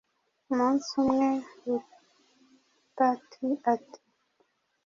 umunsi umwe, butati ati